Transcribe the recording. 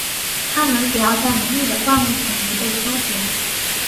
它们主要在浓密的灌木丛植被生活。